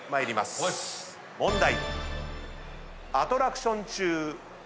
問題。